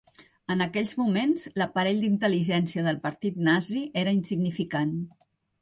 En aquells moments, l'aparell d'intel·ligència del Partit Nazi era insignificant.